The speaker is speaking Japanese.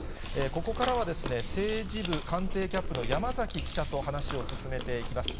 ここからは、政治部官邸キャップの山崎記者と話を進めていきます。